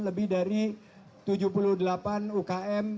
lebih dari tujuh puluh delapan umkm